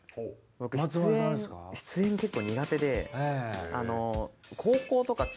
僕出演結構苦手で。